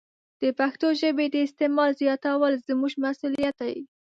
د پښتو ژبې د استعمال زیاتول زموږ مسوولیت دی.